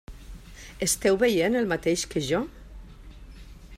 Esteu veient el mateix que jo?